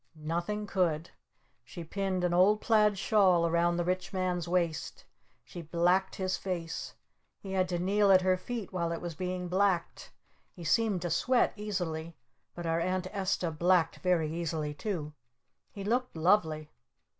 Nothing could! She pinned an old plaid shawl around the Rich Man's waist! She blacked his face! He had to kneel at her feet while it was being blacked! He seemed to sweat easily! But our Aunt Esta blacked very easily too! He looked lovely!